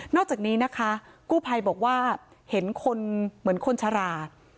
อกจากนี้นะคะกู้ภัยบอกว่าเห็นคนเหมือนคนชรา